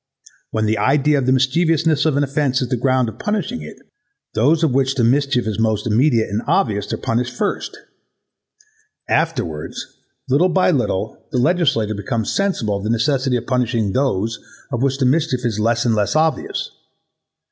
When the idea of the mischievousness of an offence is the ground of punishing it, those of which the mischief is most immediate and obvious are punished first: afterwards little by little the legislator becomes sensible of the necessity of punishing those of which the mis chief is less and less obvious.